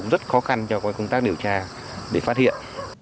rất khó khăn cho công tác điều tra để phát hiện